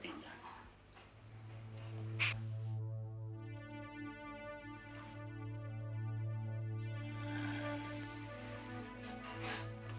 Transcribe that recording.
kami akan mencoba untuk mencoba